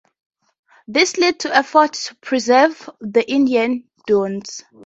This led to efforts to preserve the Indiana Dunes.